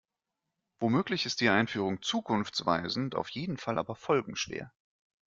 Womöglich ist die Einführung zukunftsweisend, auf jeden Fall aber folgenschwer.